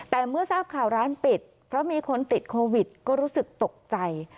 แต่เมื่อทราบข่าวร้านปิดเพราะมีคนติดโควิดก็รู้สึกตกใจ